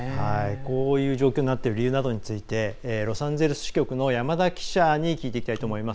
こういう状況になっている理由などについてロサンゼルス支局の山田記者に聞いていきたいと思います。